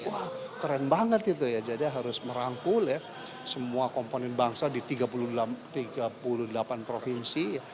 wah keren banget itu ya jadi harus merangkul ya semua komponen bangsa di tiga puluh delapan provinsi